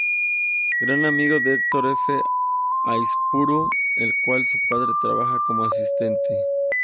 Gran amigo de Hector f.Aizpuru el cual su padre trabajo como asistente.